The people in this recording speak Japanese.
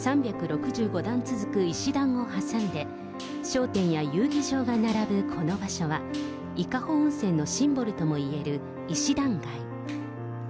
３６５段続く石段を挟んで、商店や遊技場が並ぶこの場所は、伊香保温泉のシンボルともいえる石段街。